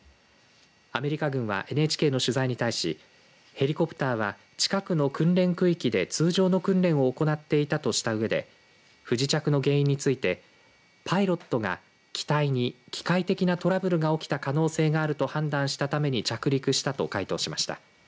アメリカ軍はＮＨＫの取材に対しヘリコプターは近くの訓練区域で通常の訓練を行っていたとしたうえで不時着の原因についてパイロットが機体に機械的なトラブルが起きた可能性があると判断したために着陸したと回答しました。